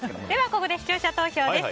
ここで視聴者投票です。